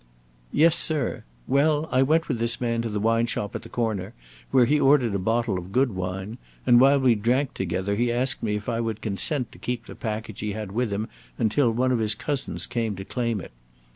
"Yes, sir. Well, I went with this man to the wine shop at the corner, where he ordered a bottle of good wine; and while we drank together, he asked me if I would consent to keep the package he had with him until one of his cousins came to claim it.